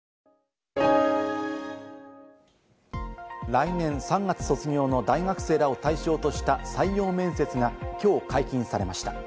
来年３月卒業の大学生らを対象とした採用面接がきょう解禁されました。